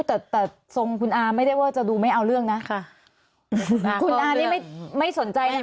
แต่แต่ทรงคุณอาไม่ได้ว่าจะดูไม่เอาเรื่องนะค่ะคุณอานี่ไม่ไม่สนใจเลยนะ